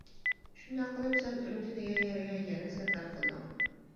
شۇنداق قىلىپ سەن ئۈرۈمچى دېگەن يەرگە يەنە سەپەر قىلدىڭ.